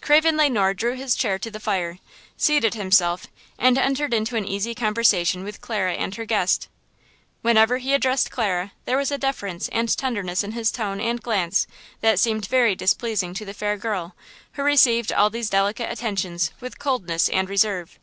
Craven Le Noir drew his chair to the fire, seated himself and entered into an easy conversation with Clara and her guest. Whenever he addressed Clara there was a deference and tenderness in his tone and glance that seemed very displeasing to the fair girl, who received all these delicate attentions with coldness and reserve.